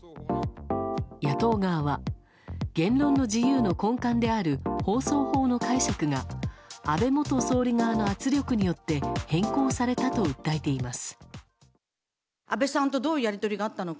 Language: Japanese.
野党側は言論の自由の根幹である放送法の解釈が安倍元総理側の圧力によって変更されたと訴えています。